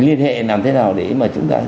liên hệ làm thế nào để mà chúng ta